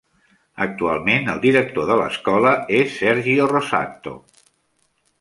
Actualment el director de l'escola és Sergio Rosato.